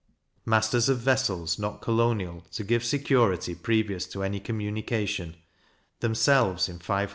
Masters of vessels, not colonial, to give security previous to any communication, themselves in 500L.